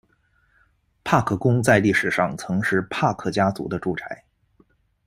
帕克宫在历史上曾是帕克家族的住宅。